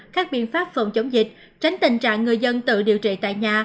các biện pháp phòng chống dịch tránh tình trạng người dân tự điều trị tại nhà